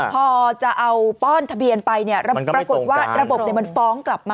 พอจะเอาป้อนทะเบียนไปปรากฏว่าระบบมันฟ้องกลับมา